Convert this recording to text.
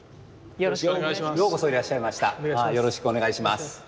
よろしくお願いします。